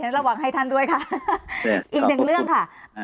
ขอระวังให้ท่านด้วยอีกนึงเรื่องค่ะ